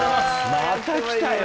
また来たよ。